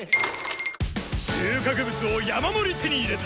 収穫物を山盛り手に入れた！